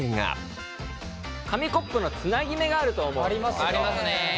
紙コップのつなぎ目があると思う。ありますね。